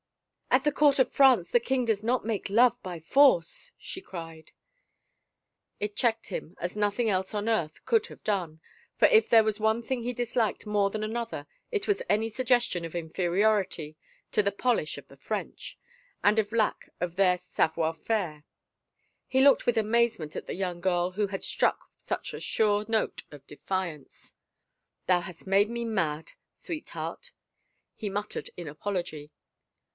" At the court of France the king does not make love by force!" she cried. It checked him as nothing else on earth could have done, for if there was one thing he disliked more than another it was any suggestion of inferiority to the polish of the French, of a lack of their savoir faire. He looked with amazement at the young girl who had struck such a sure note of defiance. " Thou hast made me mad. Sweetheart," he muttered in apology.